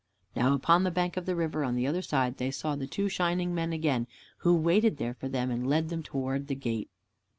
Now upon the bank of the river, on the other side, they saw the two shining men again, who waited there for them, and led them toward the gate.